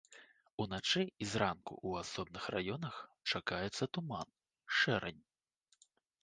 Уначы і зранку ў асобных раёнах чакаецца туман, шэрань.